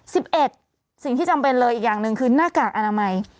เอ็ดสิ่งที่จำเป็นเลยอีกอย่างหนึ่งคือหน้ากากอนามัย